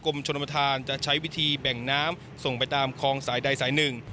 ชนประธานจะใช้วิธีแบ่งน้ำส่งไปตามคลองสายใดสายหนึ่ง